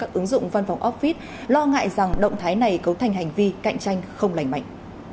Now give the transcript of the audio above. ứng dụng văn phòng office lo ngại rằng động thái này cấu thành hành vi cạnh tranh không lành mạnh